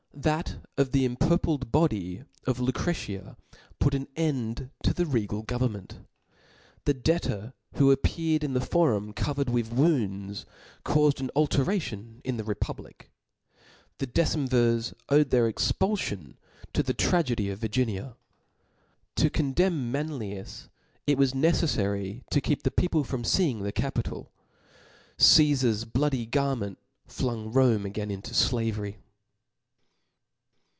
That of the impurpled body of Lucretia put an end to the regal govern picnt. The debtor who appeared in the forum (Covered with wounds, caufed an alteration in the republic. The decemvir^ owed their expulfion to the tragedy of Virginia. To condemn ManliuiJ, it was neceffary to k^p the people from feeing the papito). Caefar's bloody garment flung Romp again into flavery.